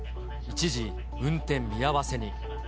一時運転見合わせに。